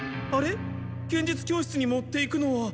剣術教室に持っていくのは木刀だっけ？